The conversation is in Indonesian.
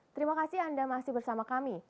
terima kasih anda masih bersama kami